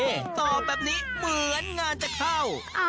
ตอบแบบนี้เหมือนงานจะเข้า